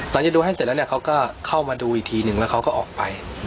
มาดูอีกทีหนึ่งแล้วเขาก็ออกไป